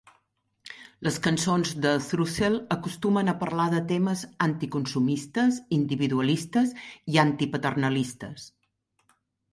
Les cançons de Thrussell acostumen a parlar de temes anticonsumistes, individualistes i antipaternalistes.